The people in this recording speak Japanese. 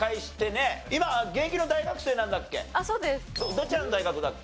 どちらの大学だっけ？